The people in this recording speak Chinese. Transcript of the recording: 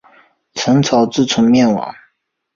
陈朝自从灭亡。